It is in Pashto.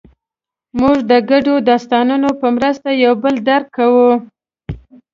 موږ د ګډو داستانونو په مرسته یو بل درک کوو.